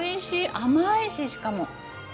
甘いししかも。